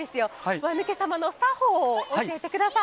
輪抜け様の作法を教えてください。